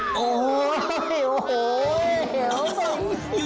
โอ้โฮโอ้โฮเหลวไป